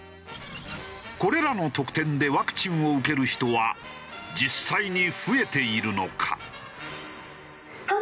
これらの特典でワクチンを受ける人は実際に増えているのか？